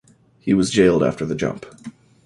He was jailed after the jump.